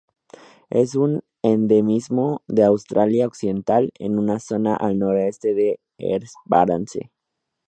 Es un endemismo de Australia Occidental, en una zona al noroeste de Esperance.